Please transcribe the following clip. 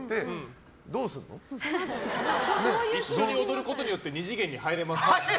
一緒に踊ることによって２次元に入れますから。